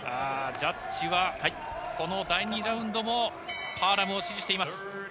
ジャッジは、この第２ラウンドもパアラムを支持しています。